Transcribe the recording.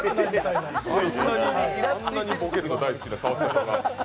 あんなにボケるの好きな川北さんが。